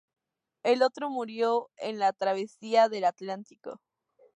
El otro murió en la travesía del Atlántico.